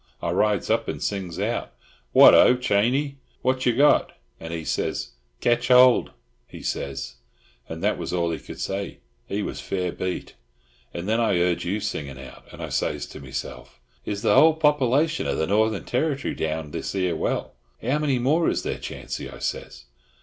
I rides up and sings out "What ho! Chaney, what yer got?" And he says, "Ketch hold," he says, and that was all he could say; he was fair beat. And then I heard you singing out, and I says to meself, "Is the whole popperlation of the Northern Territory down this here well? How many more is there, Chancy?" I says.